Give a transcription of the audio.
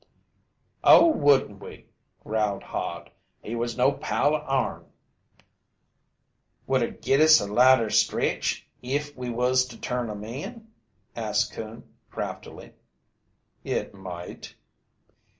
"Oh, wouldn't we?" growled Hod. "He was no pal o' ourn!" "Would it git us a lighter stretch if we was to turn him in?" asked Coon craftily. "It might."